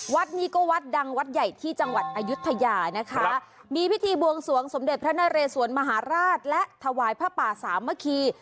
วัดนี้ก็วัดดังวัดใหญ่ที่จังหวัดอายุทยานะคะมีพิธีบวงสวงสมเด็จพระนเรสวนมหาราชและถวายผ้าป่าสามัคคี